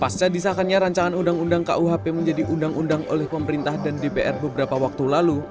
pasca disahkannya rancangan undang undang kuhp menjadi undang undang oleh pemerintah dan dpr beberapa waktu lalu